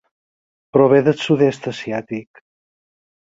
Prové del Sud-est asiàtic.